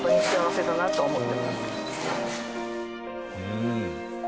うん。